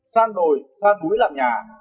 san đồi san núi là nhà